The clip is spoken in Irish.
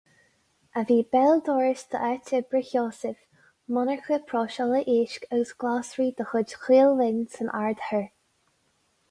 A bhí béal dorais d'áit oibre Sheosaimh, monarcha próiseála éisc agus glasraí de chuid Ghael-Linn san Aird Thoir.